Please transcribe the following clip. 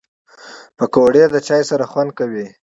پکورې د چای سره خوند کوي